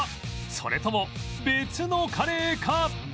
それとも別のカレーか？